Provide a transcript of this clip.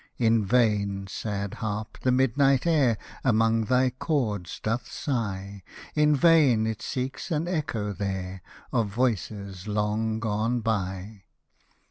— In vain, sad Harp, the midnight air Among thy chords doth sigh ; In vain it seeks an echo there Of voices long gone by.